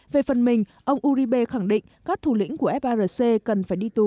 về phần mình ông uribe khẳng định các thủ lĩnh của frc cần phải đi tù